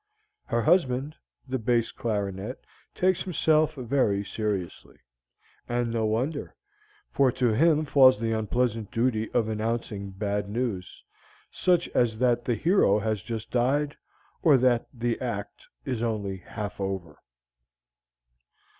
Her husband, the bass clarinet, takes himself very seriously and no wonder, for to him falls the unpleasant duty of announcing bad news, such as that the hero has just died, or that the act is only half over.